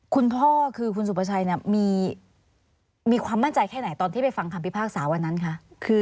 คุณพ่อคือคุณสุภาชัยมีความมั่นใจแค่ไหนตอนที่ไปฟังคำพิพากษาวันนั้นคะ